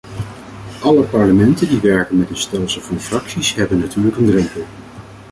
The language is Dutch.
Alle parlementen die werken met een stelsel van fracties hebben natuurlijk een drempel.